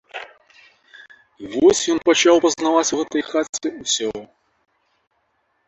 І вось ён пачаў пазнаваць у гэтай хаце ўсё.